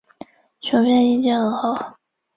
吕德尔斯费尔德是德国下萨克森州的一个市镇。